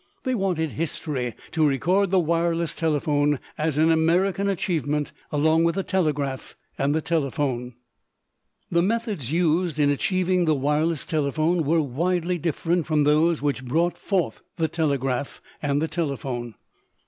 They wanted history to record the wireless telephone as an American achievement along with the telegraph and the telephone. The methods used in achieving the wireless telephone were widely different from those which brought forth the telegraph and the telephone.